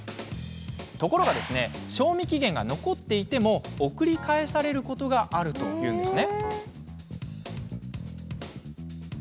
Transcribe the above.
ところが、賞味期限が残っていても送り返されることがあるといいます。